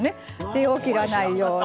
手を切らないように。